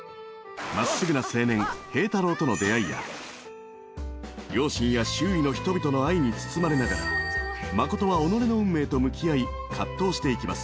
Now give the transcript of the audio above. まっすぐな青年、平太郎との出会いや両親や周囲の人々の愛に包まれながら真琴は己の運命と向き合い葛藤していきます。